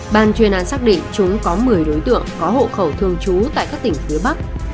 ban chuyên án xác định chúng có một mươi đối tượng có hộ khẩu thường trú tại các tỉnh phía bắc